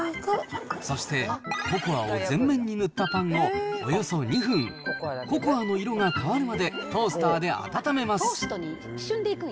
そして、ココアを全面に塗ったパンを、およそ２分、ココアの色が変わるまで、トースターで温めます。